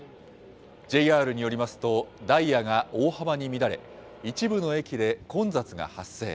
ＪＲによりますと、ダイヤが大幅に乱れ、一部の駅で混雑が発生。